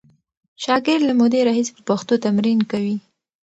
شاګرد له مودې راهیسې په پښتو تمرین کوي.